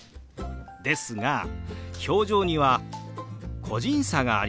ですが表情には個人差がありますよね。